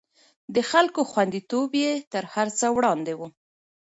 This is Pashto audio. د خلکو خونديتوب يې تر هر څه وړاندې و.